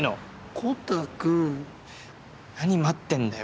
コタくん。何待ってんだよ？